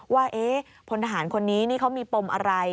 ว่าพลทหารคนนี้นี่เขามีปมอะไร